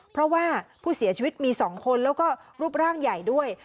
เพราะว่าผู้เสียชีวิตมี๒คนแล้วก็รูปร่างใหญ่ด้วย